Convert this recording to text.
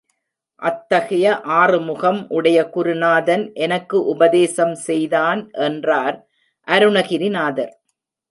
அத்தகைய ஆறு முகம் உடைய குருநாதன் எனக்கு உபதேசம் செய்தான் என்றார் அருணகிரிநாதர்.